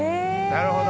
なるほど。